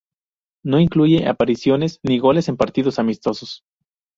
No incluye apariciones ni goles en partidos amistosos.